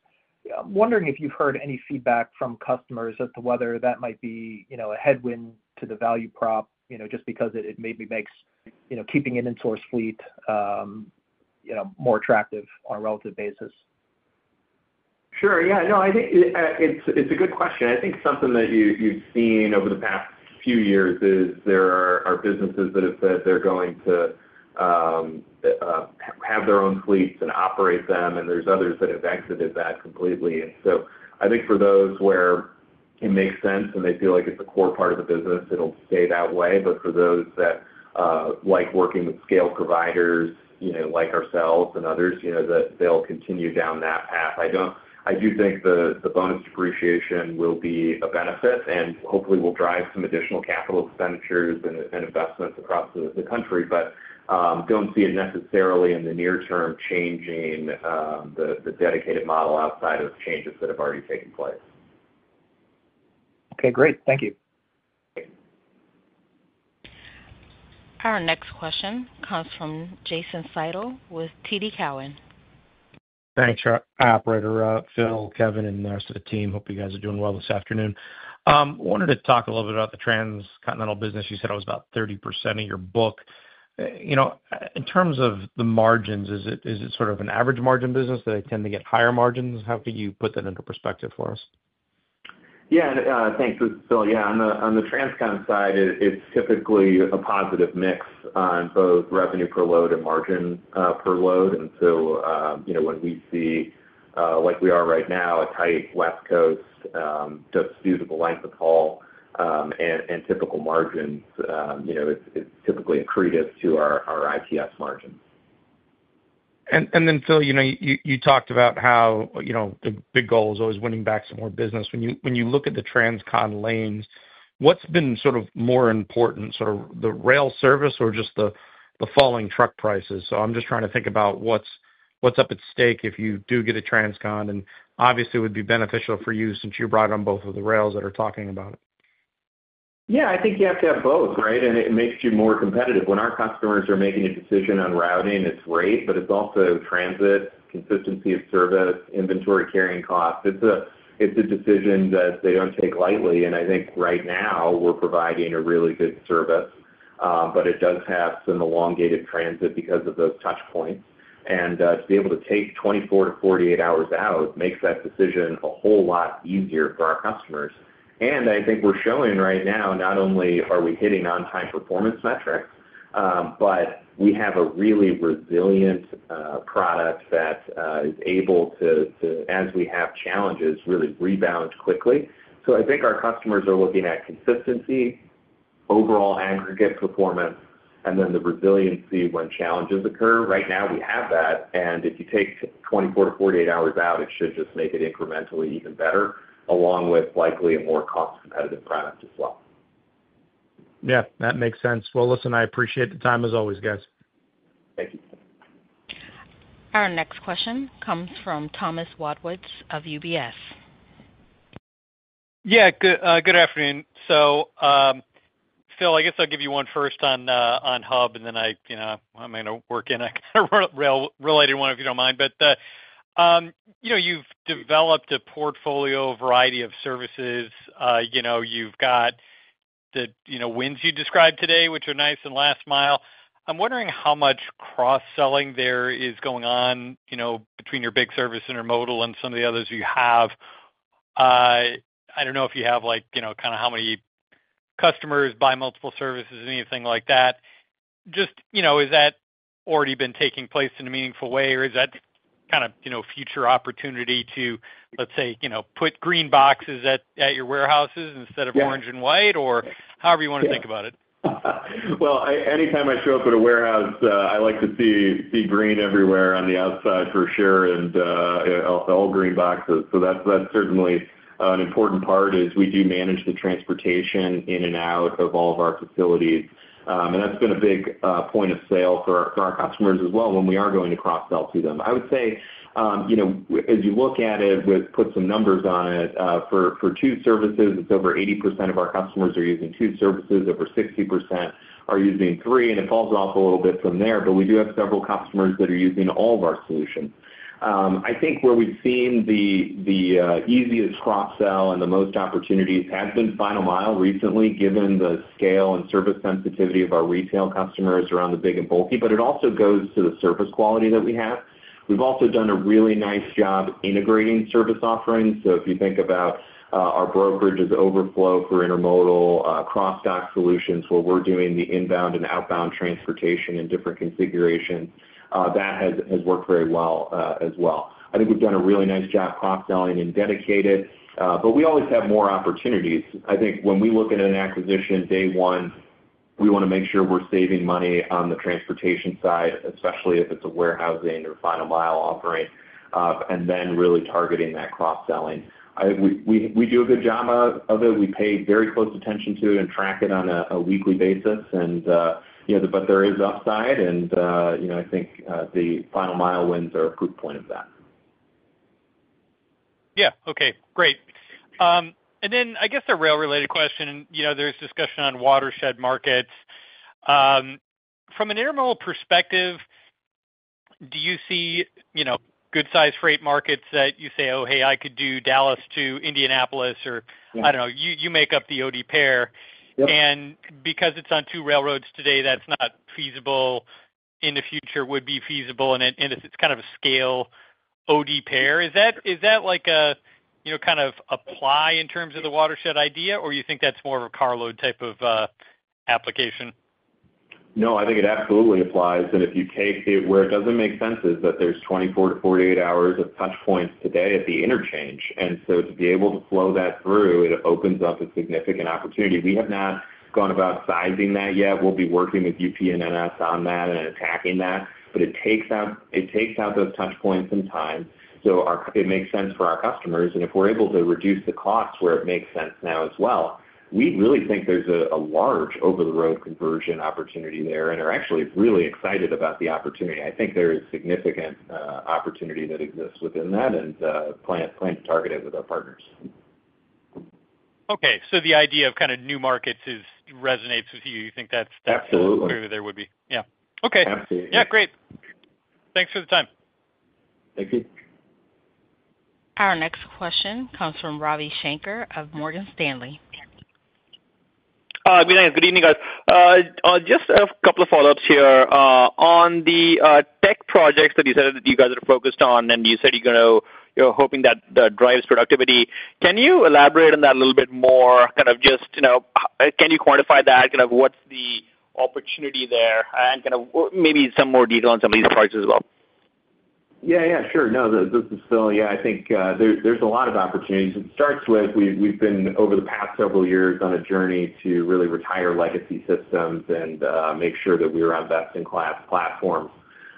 I'm wondering if you've heard any feedback from customers as to whether that might be, you know, a headwind to the value prop, you know, just because it maybe makes, you know, keeping an in-source fleet, you know, more attractive on a relative basis. Sure, yeah, I think it's a good question. I think something that you've seen over the past few years is there are businesses that have said they're going to have their own fleets and operate them, and there's others that have exited that completely. I think for those where it makes sense and they feel like it's a core part of the business, it'll stay that way. For those that like working with scale providers, like ourselves and others, they'll continue down that path. I do think the bonus depreciation will be a benefit and hopefully will drive some additional capital expenditures and investments across the country, but don't see it necessarily in the near term changing the dedicated model outside of changes that have already taken place. Okay, great. Thank you. Our next question comes from Jason Seidl with TD Cowen. Thanks, Operator. Phil, Kevin, and the rest of the team, hope you guys are doing well this afternoon. Wanted to talk a little bit about the transcontinental business. You said it was about 30% of your book. In terms of the margins, is it sort of an average margin business? Do they tend to get higher margins? How could you put that into perspective for us? Yeah, thanks, Phil. On the transcontinental side, it's typically a positive mix on both revenue per load and margin per load. When we see, like we are right now, a tight West Coast, with suitable length of haul and typical margins, it's typically accretive to our ITS margins. Phil, you talked about how the big goal is always winning back some more business. When you look at the transcontinental lanes, what's been more important, the rail service or just the falling truck prices? I'm just trying to think about what's at stake if you do get a transcontinental. Obviously, it would be beneficial for you since you brought it on both of the rails that are talking about it. Yeah, I think you have to have both, right? It makes you more competitive. When our customers are making a decision on routing, it's great, but it's also transit, consistency of service, inventory carrying costs. It's a decision that they don't take lightly. I think right now we're providing a really good service, but it does have some elongated transit because of those touch points. To be able to take 24-48 hours out makes that decision a whole lot easier for our customers. I think we're showing right now, not only are we hitting on-time performance metrics, but we have a really resilient product that is able to, as we have challenges, really rebound quickly. I think our customers are looking at consistency, overall aggregate performance, and then the resiliency when challenges occur. Right now, we have that. If you take 24-48 hours out, it should just make it incrementally even better, along with likely a more cost-competitive product as well. That makes sense. I appreciate the time as always, guys. Thank you. Our next question comes from Thomas Wadewitz of UBS. Good afternoon. Phil, I guess I'll give you one first on Hub, and then I'm going to work in a kind of rail-related one, if you don't mind. You've developed a portfolio variety of services. You've got the wins you described today, which are nice in the final mile. I'm wondering how much cross-selling there is going on between your big service intermodal and some of the others you have. I don't know if you have, like, how many customers buy multiple services, anything like that. Has that already been taking place in a meaningful way, or is that kind of a future opportunity to, let's say, put green boxes at your warehouses instead of orange and white, or however you want to think about it? Anytime I show up at a warehouse, I like to see green everywhere on the outside for sure, and all green boxes. That's certainly an important part, as we do manage the transportation in and out of all of our facilities. That's been a big point of sale for our customers as well when we are going to cross-sell to them. I would say, as you look at it, put some numbers on it. For two services, it's over 80% of our customers are using two services, over 60% are using three. It falls off a little bit from there, but we do have several customers that are using all of our solutions. I think where we've seen the easiest cross-sell and the most opportunities has been final mile recently, given the scale and service sensitivity of our retail customers around the big and bulky, but it also goes to the service quality that we have. We've also done a really nice job integrating service offerings. If you think about our brokerage as overflow for intermodal cross-dock solutions where we're doing the inbound and outbound transportation in different configurations, that has worked very well as well. I think we've done a really nice job cross-selling and dedicated, but we always have more opportunities. I think when we look at an acquisition day one, we want to make sure we're saving money on the transportation side, especially if it's a warehousing or final mile offering, and then really targeting that cross-selling. We do a good job of it. We pay very close attention to it and track it on a weekly basis. There is upside, and I think the final mile wins are a proof point of that. Yeah, okay, great. I guess a rail-related question, you know, there's discussion on watershed markets. From an intermodal perspective, do you see, you know, good-sized freight markets that you say, "Oh, hey, I could do Dallas to Indianapolis," or I don't know, you make up the OD pair. Because it's on two railroads today, that's not feasible. In the future, it would be feasible, and it's kind of a scale OD pair. Is that like a, you know, kind of apply in terms of the watershed idea, or do you think that's more of a carload type of application? No, I think it absolutely applies. If you take it where it doesn't make sense is that there's 24 to 48 hours of touch points today at the interchange. To be able to flow that through, it opens up a significant opportunity. We have not gone about sizing that yet. We'll be working with UP and NS on that and attacking that. It takes out those touch points in time, so it makes sense for our customers. If we're able to reduce the cost where it makes sense now as well, we really think there's a large over-the-road conversion opportunity there and are actually really excited about the opportunity. I think there is significant opportunity that exists within that and plan to target it with our partners. Okay, the idea of kind of new markets resonates with you. You think that's true that there would be. Absolutely. Yeah, okay. Absolutely. Yeah, great. Thanks for the time. Thank you. Our next question comes from Ravi Shanker of Morgan Stanley. Oh, good evening, guys. Just a couple of follow-ups here. On the tech projects that you said that you guys are focused on, and you said you're going to, you're hoping that drives productivity. Can you elaborate on that a little bit more? Can you quantify that? What's the opportunity there? Maybe some more detail on some of these projects as well. Yeah, sure. No, this is Phil, yeah, I think there's a lot of opportunities. It starts with we've been, over the past several years, on a journey to really retire legacy systems and make sure that we were on best-in-class platforms.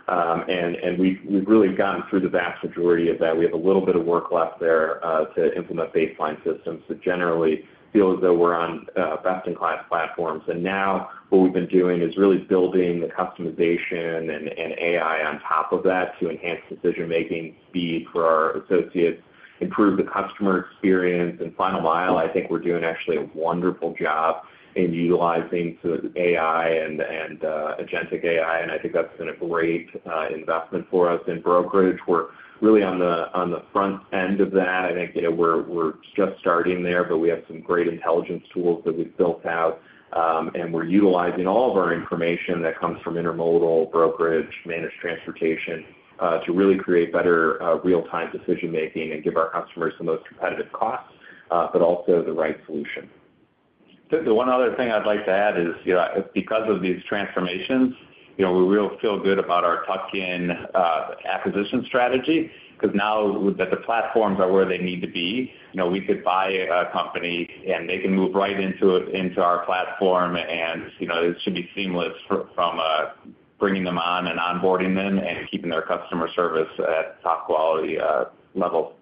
We've really gotten through the vast majority of that. We have a little bit of work left there to implement baseline systems. Generally, feel as though we're on best-in-class platforms. Now what we've been doing is really building the customization and AI on top of that to enhance decision-making speed for our associates and improve the customer experience. In final mile, I think we're doing actually a wonderful job in utilizing some of the AI and agentic AI. I think that's been a great investment for us in brokerage. We're really on the front end of that. I think we're just starting there, but we have some great intelligence tools that we've built out. We're utilizing all of our information that comes from intermodal, brokerage, managed transportation to really create better real-time decision-making and give our customers the most competitive cost, but also the right solution. The one other thing I'd like to add is, because of these transformations, we really feel good about our tuck-in acquisition strategy because now that the platforms are where they need to be, we could buy a company and they can move right into our platform. It should be seamless from bringing them on and onboarding them and keeping their customer service at top quality levels.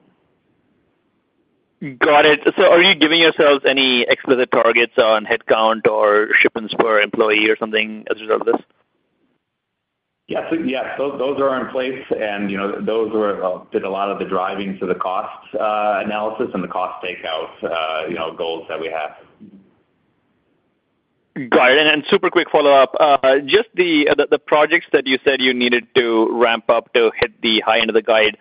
Got it. Are you giving yourselves any explicit targets on headcount or shipments per employee or something as a result of this? Yes, those are in place. Those did a lot of the driving to the cost analysis and the cost takeout goals that we have. Got it. Super quick follow-up, just the projects that you said you needed to ramp up to hit the high end of the guide,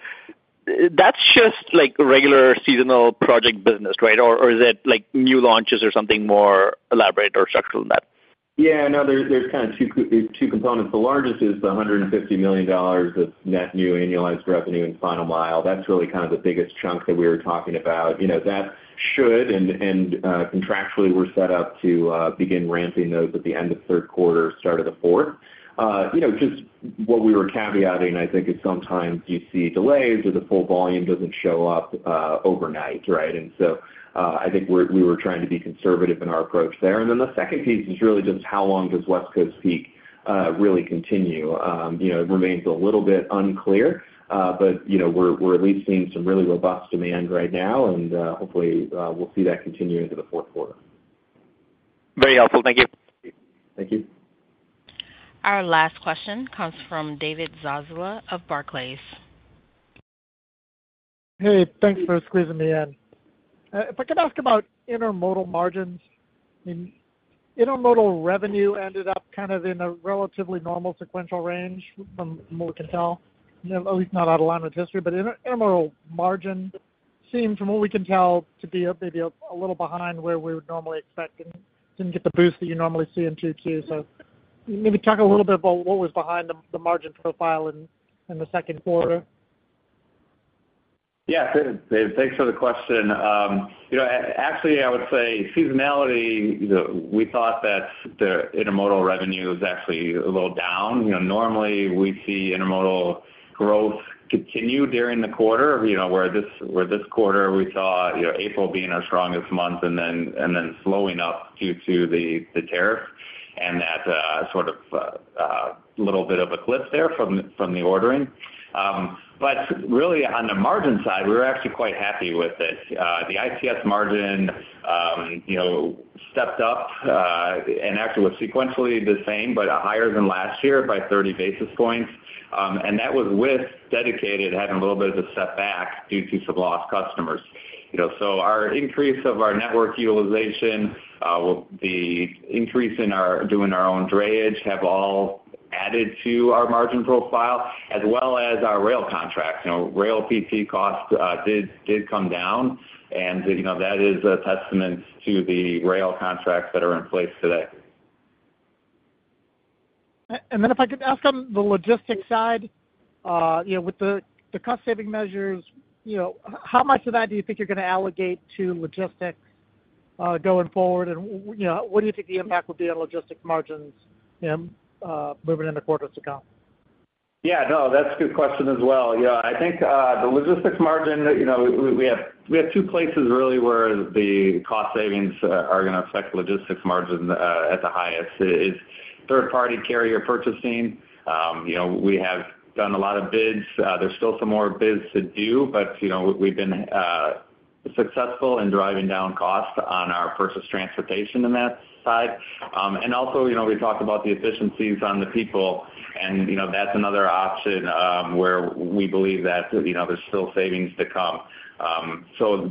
that's just like regular seasonal project business, right? Or is it like new launches or something more elaborate or structural than that? Yeah, no, there's kind of two components. The largest is the $150 million of net new annualized revenue in final mile. That's really kind of the biggest chunk that we were talking about. That should, and contractually, we're set up to begin ramping those at the end of third quarter, start of the fourth. Just what we were caveating, I think, is sometimes you see delays or the full volume doesn't show up overnight, right? I think we were trying to be conservative in our approach there. The second piece is really just how long does West Coast peak really continue? It remains a little bit unclear, but we're at least seeing some really robust demand right now, and hopefully, we'll see that continue into the fourth quarter. Very helpful. Thank you. Thank you. Our last question comes from David Zazula of Barclays. Hey, thanks for squeezing me in. If I could ask about intermodal margins, I mean, intermodal revenue ended up kind of in a relatively normal sequential range from what we can tell, at least not out of line with history. Intermodal margin seemed, from what we can tell, to be maybe a little behind where we would normally expect and didn't get the boost that you normally see in Q2. Maybe talk a little bit about what was behind the margin profile in the second quarter. Yeah, David, thanks for the question. Actually, I would say seasonality, we thought that the intermodal revenue was actually a little down. Normally, we see intermodal growth continue during the quarter, where this quarter we saw April being our strongest month and then slowing up due to the tariff and that sort of little bit of a clip there from the ordering. Really, on the margin side, we were actually quite happy with it. The ITS margin stepped up and actually was sequentially the same, but higher than last year by 30 basis points. That was with dedicated having a little bit of a setback due to some lost customers. Our increase of our network utilization, the increase in our doing our own drayage have all added to our margin profile, as well as our rail contracts. Rail PT costs did come down, and that is a testament to the rail contracts that are in place today. If I could ask on the logistics side, with the cost-saving measures, how much of that do you think you're going to allocate to logistics going forward? What do you think the impact would be on logistics margins, moving into quarters to come? Yeah, no, that's a good question as well. I think the logistics margin, we have two places really where the cost savings are going to affect logistics margin at the highest, which is third-party carrier purchasing. We have done a lot of bids. There's still some more bids to do, but we've been successful in driving down cost on our purchased transportation in that side. Also, we talked about the efficiencies on the people, and that's another option where we believe that there's still savings to come.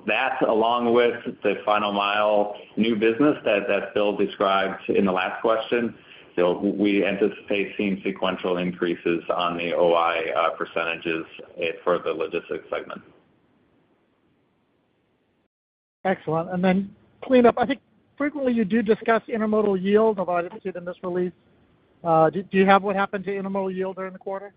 That, along with the final mile new business that Phil described in the last question, we anticipate seeing sequential increases on the OI percentages for the logistics segment. Excellent. Then cleanup, I think frequently you do discuss intermodal yield of our attitude in this release. Do you have what happened to intermodal yield during the quarter?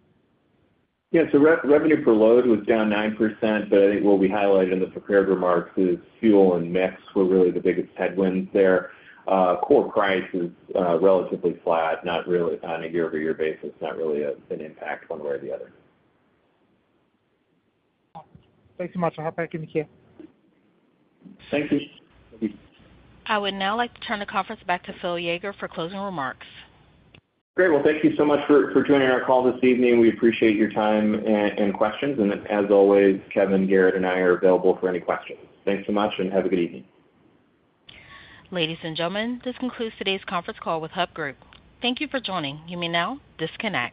Yeah, revenue per load was down 9%, but I think what we highlighted in the prepared remarks is fuel and mix were really the biggest headwinds there. Core price is relatively flat, not really on a year-over-year basis, not really an impact one way or the other. Thanks so much. I'll hop back in the queue. Thank you. I would now like to turn the conference back to Phil Yeager for closing remarks. Great. Thank you so much for joining our call this evening. We appreciate your time and questions. As always, Kevin, Garrett, and I are available for any questions. Thanks so much and have a good evening. Ladies and gentlemen, this concludes today's conference call with Hub Group. Thank you for joining. You may now disconnect.